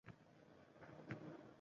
Bugun uyquga yotaman.